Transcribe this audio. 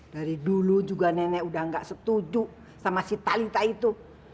dari dulu juga nenek udah gak setuju sama si talita itu